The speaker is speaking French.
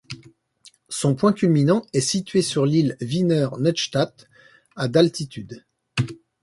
Son point culminant est situé sur l'île Wiener Neustadt à d'altitude.